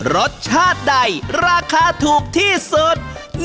รสชาติใดราคาถูกที่สุด